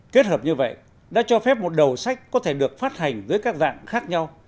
kết hợp như vậy đã cho phép một đầu sách có thể được phát hành dưới các dạng khác nhau